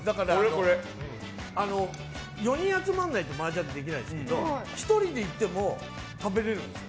４人集まらないとマージャンはできないんですけど１人で行っても食べれるんですよ。